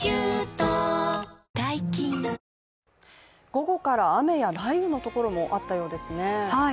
午後から雨や雷雨のところもあったようですね。